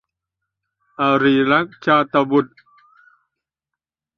อริรัก - ชาตบุษย์